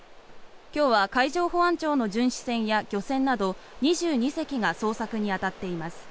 今日は海上保安庁の巡視船や漁船など２２隻が捜索に当たっています。